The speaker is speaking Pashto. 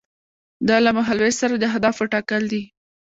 دا له مهال ویش سره د اهدافو ټاکل دي.